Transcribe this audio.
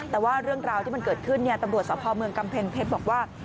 แต่ว่าเรื่องราวที่มันเกิดขึ้นตำรวจสภเมืองกำแพงเพชรบอกว่า